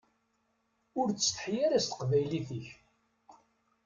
Ur ttsetḥi ara s teqbaylit-ik.